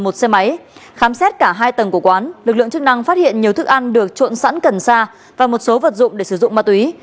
tất cả hai tầng của quán lực lượng chức năng phát hiện nhiều thức ăn được trộn sẵn cần xa và một số vật dụng để sử dụng ma túy